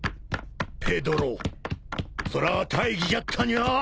ペドロそらぁ大儀じゃったにゃあ。